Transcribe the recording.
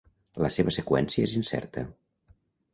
La seva seqüència és incerta.